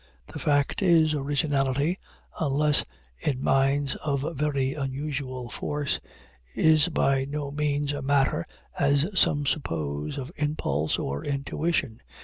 The fact is, originality (unless in minds of very unusual force) is by no means a matter, as some suppose, of impulse or intuition.